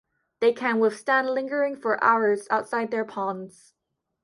They can withstand lingering for hours outside their ponds.